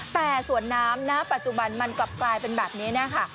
แต่สวนน้ำนะปัจจุบันมันกลับกลายเป็นแบบนี้นะคะ